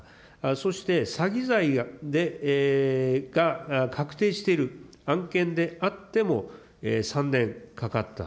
そして詐欺罪が確定している案件であっても３年かかった。